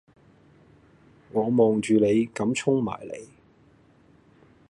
我望住你咁衝埋嚟